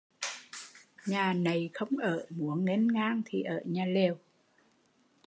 Nhà nậy không ở, muốn nghênh ngang thì ở nhà lều